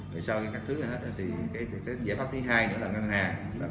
rồi sau khi cắt thứ ra hết thì cái giải pháp thứ hai nữa là ngân hàng